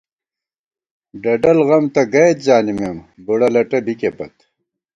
ڈڈَل غم تہ گئیت زانِمېم، بُوڑہ لٹہ بِکے پت